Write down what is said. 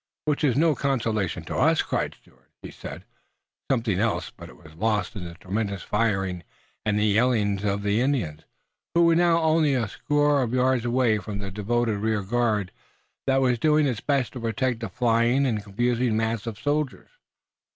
"Which is no consolation to us," cried Stuart. He said something else, but it was lost in the tremendous firing and yelling of the Indians, who were now only a score of yards away from the devoted rear guard that was doing its best to protect the flying and confused mass of soldiers.